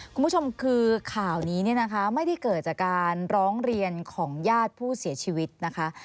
คุณผู้ชมคือข่าวนี้เนี่ยนะคะไม่ได้เกิดจากการร้องเรียนของญาติผู้เสียชีวิตนะคะ